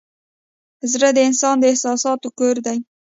زړه د انسان د احساساتو کور دی.